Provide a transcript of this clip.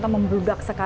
tidak mengerti apa apa